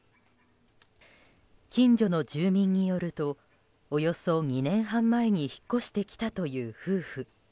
近所の住民によるとおよそ２年半前に引っ越してきたという夫婦。